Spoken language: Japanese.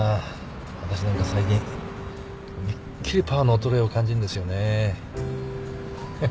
私なんか最近めっきりパワーの衰えを感じるんですよね。